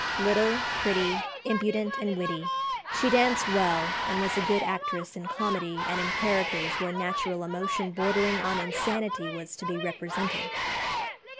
Little, pretty, impudent, and witty, she danced well, and was a good actress in comedy and in characters where "natural emotion bordering on insanity" was to be represented.